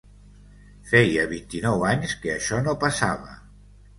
Feia vint-i-nou anys que això no passava.